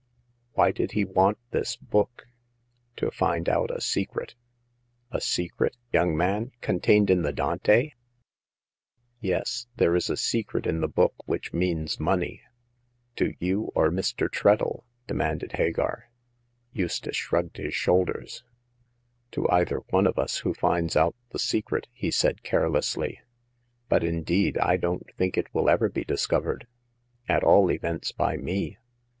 Why did he want this book ?" "To find out a secret." "A secret, young man — contained in the Dante ?" "Yes. There is a secret in the book which means money." " To you or Mr. Treadle ?" demanded Hagar. Eustace shrugged his shouVd^t^* "Tc^^xyas.^ 44 Hagar of the Pawn Shop. one of us who finds out the secret," he said, care lessly. But indeed I don't think it will ever be discovered— at all events by me.